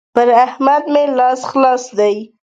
پر احمد مې لاس خلاص دی.